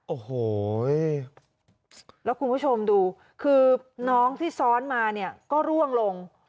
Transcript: โอ้โหแล้วคุณผู้ชมดูคือน้องที่ซ้อนมาเนี่ยก็ร่วงลง